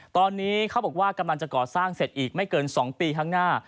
ตอนนี้เขาบอกว่ากำลังจะก่อสร้างเสร็จอีกไม่เกิน๒ปีข้างหน้า